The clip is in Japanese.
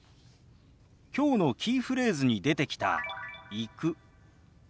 きょうのキーフレーズに出てきた「行く」。